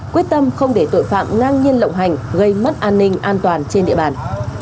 quyết tâm không để tội phạm ngang nhiên lộng hành gây mất an ninh an toàn trên địa bàn